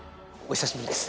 お久しぶりです。